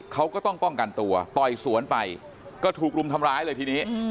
เขาก็ต้องป้องกันตัวต่อยสวนไปก็ถูกรุมทำร้ายเลยทีนี้